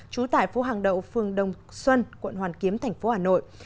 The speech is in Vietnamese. trú tại phố hàng đậu phường đồng xuân quận hoàn kiếm tp hà nội